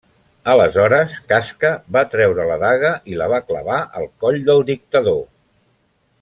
Aleshores Casca va treure la daga i la va clavar al coll del dictador.